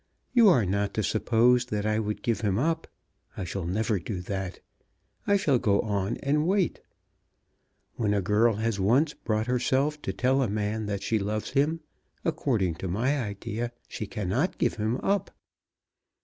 You are not to suppose that I would give him up. I shall never do that. I shall go on and wait. When a girl has once brought herself to tell a man that she loves him, according to my idea she cannot give him up.